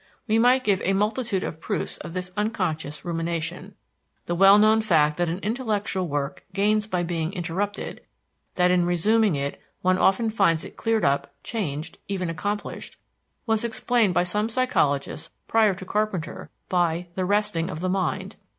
We might give a multitude of proofs of this unconscious rumination. The well known fact that an intellectual work gains by being interrupted; that in resuming it one often finds it cleared up, changed, even accomplished, was explained by some psychologists prior to Carpenter by "the resting of the mind."